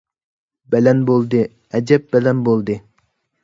بەلەن بولدى، ئەجەپ بەلەن بولدى!